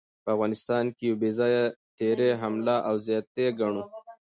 په افغانستان يو بې ځايه تېرے، حمله او زياتے ګڼلو